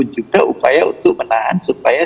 juga upaya untuk menahan supaya